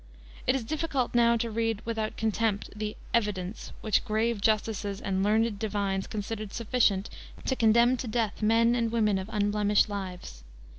It is difficult now to read without contempt the "evidence" which grave justices and learned divines considered sufficient to condemn to death men and women of unblemished lives.